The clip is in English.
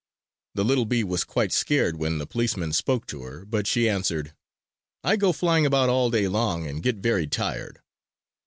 The little bee was quite scared when the policemen spoke to her, but she answered: "I go flying about all day long, and get very tired!"